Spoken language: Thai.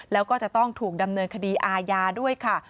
แล้วก็จะต้องถูกดำเนินคดีอาญาด้วยค่ะ